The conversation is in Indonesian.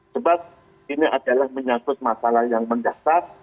sebab ini adalah menyangkut masalah yang mendasar